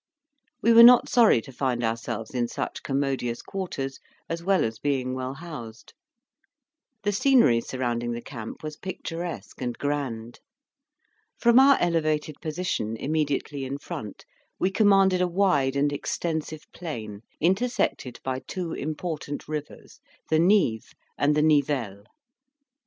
We were not sorry to find ourselves in such commodious quarters, as well as being well housed. The scenery surrounding the camp was picturesque and grand. From our elevated position, immediately in front, we commanded a wide and extensive plain, intersected by two important rivers, the Nive and the Nivelle.